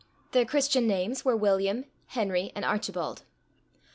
Their Christian names were William, Henry and Archibald.